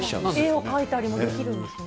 絵を描いたりとかもできるんですね。